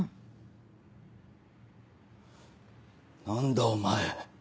何だお前